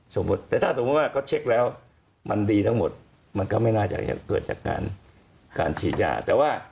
แต่ถ้าสมมุติว่าเขาเช็คแล้วมันดีทั้งหมดมันก็ไม่น่าจะเกิดจากการฉีดยาแต่ว่า